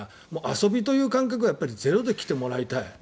遊びという感覚はゼロで来てもらいたい。